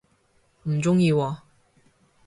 唔鍾意喎